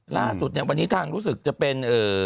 ล่าสุดเนี่ยวันนี้ทางรู้สึกจะเป็น